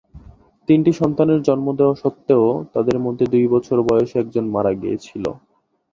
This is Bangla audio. তিনটি সন্তানের জন্ম দেওয়া সত্ত্বেও, তাদের মধ্যে দুই বছর বয়সে একজন মারা গিয়েছিল।